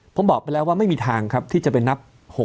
ผมบอกไปแล้วว่าไม่มีทางครับที่จะไปนับ